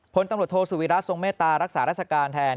พลตำรวจโทสุวิระทรงเมตตารักษาราชการแทน